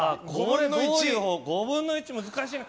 ５分の１、難しいな。